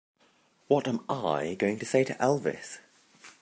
What am I going to say to Elvis?